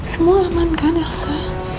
semua aman kan elsa